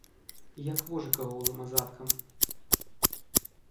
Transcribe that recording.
Як вожыка голым азадкам.